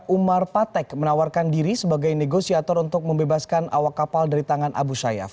umar patek menawarkan diri sebagai negosiator untuk membebaskan awak kapal dari tangan abu sayyaf